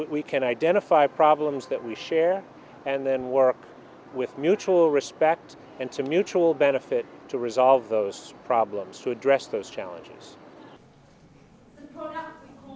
với hợp tác hợp lý và hợp tác hợp lý để giải quyết những vấn đề này để giải quyết những vấn đề này